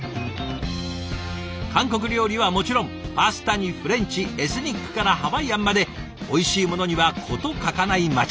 韓国料理はもちろんパスタにフレンチエスニックからハワイアンまでおいしいものには事欠かない街。